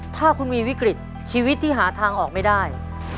ถ้าคุณมีวิกฤตชีวิตที่หาทางออกไม่ได้